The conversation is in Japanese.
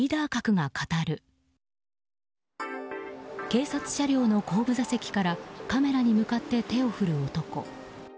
警察車両の後部座席からカメラに向かって手を振る男。